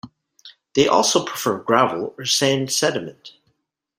They also prefer gravel or sand sediment.